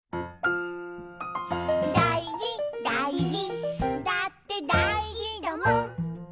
「だいじだいじだってだいじだもん」